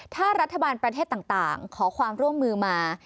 ถ้ารัฐบาลประเทศต่างขอความร่วมมือมา